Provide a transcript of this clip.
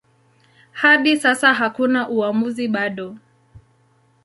Hadi sasa hakuna uamuzi bado.